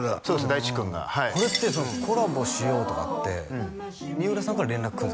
大知君がこれってコラボしようとかって三浦さんから連絡くる？